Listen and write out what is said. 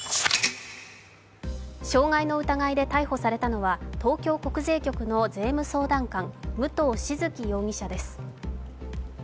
障害の疑いで逮捕されたのは東京国税局の税務相談官武藤静城容疑者です。